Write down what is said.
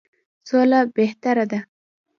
سوله بهتره ده.